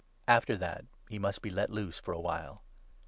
After that he must be let loose for a while.